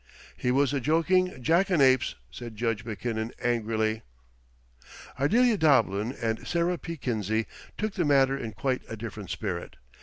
"He was a joking jackanapes!" said Judge Mackinnon angrily. Ardelia Doblin and Sarah P. Kinsey took the matter in quite a different spirit.